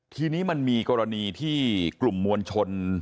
ทีนี้มันมีกรณีที่กลุ่มมวลชน